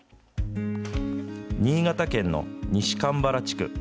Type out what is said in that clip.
新潟県の西蒲原地区。